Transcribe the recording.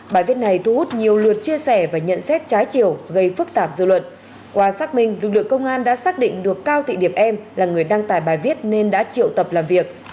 bài viết này thu hút nhiều lượt chia sẻ và nhận xét trái chiều gây phức tạp dư luận qua xác minh lực lượng công an đã xác định được cao thị điệp em là người đăng tải bài viết nên đã triệu tập làm việc